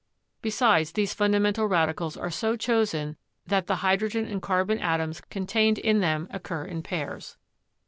Besides, these fundamental radicals are so chosen that the hydrogen and carbon atoms contained in them occur in pairs.